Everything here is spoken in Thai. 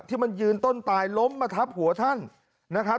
ที่มันยืนต้นตายล้มมาทับหัวท่านนะครับ